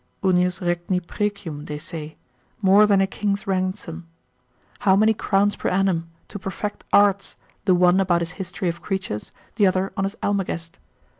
unius regni precium they say, more than a king's ransom; how many crowns per annum, to perfect arts, the one about his History of Creatures, the other on his Almagest?